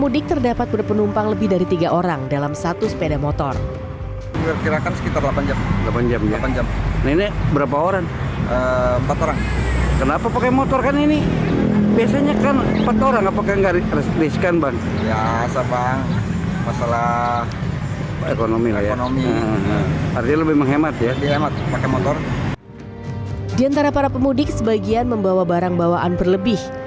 di antara para pemudik sebagian membawa barang bawaan berlebih